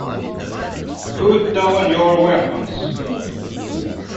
Put down your weapons.